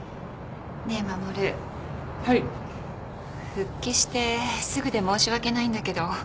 復帰してすぐで申し訳ないんだけど。